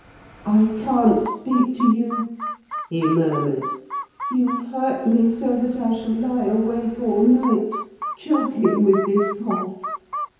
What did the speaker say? "I can't speak to you," he murmured; "you've hurt me so that I shall lie awake all night choking with this cough.